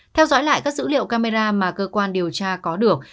theo dõi lại các dữ liệu camera mà cơ quan điều tra có được